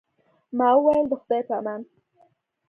ما وویل، د خدای په امان.